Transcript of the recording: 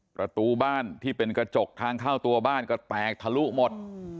ประตูบ้านที่เป็นกระจกทางเข้าตัวบ้านก็แตกทะลุหมด